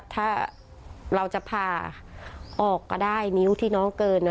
ถ้าเราจะผ่าออกก็ได้นิ้วที่น้องเกิน